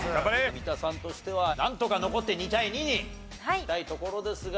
三田さんとしてはなんとか残って２対２にしたいところですが。